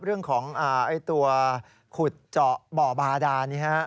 เรื่องของตัวขุดเจาะบ่อบาดานี่ฮะ